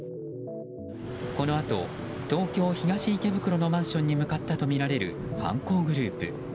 このあと東京・東池袋のマンションに向かったとみられる犯行グループ。